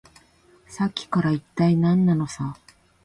さっきから、いったい何なのさ。